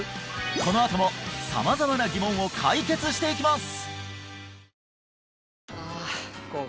このあとも様々な疑問を解決していきます